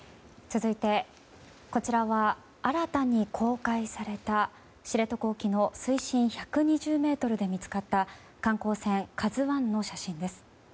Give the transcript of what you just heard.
続いて、こちらは新たに公開された知床沖の水深１２０ｍで見つかった観光船「ＫＡＺＵ１」の写真です。